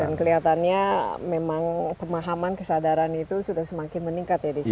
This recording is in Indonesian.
dan kelihatannya memang pemahaman kesadaran itu sudah semakin meningkat ya di sini